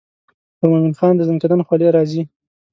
پر مومن خان د زکندن خولې راځي.